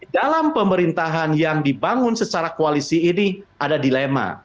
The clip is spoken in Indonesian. dalam pemerintahan yang dibangun secara koalisi ini ada dilema